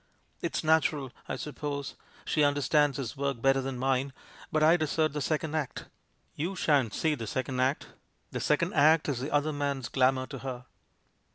It's natural, I sup pose — she understands his work better than mine — but I desert the second act; you shan't see the second act, the second act's the other man's glamour to her!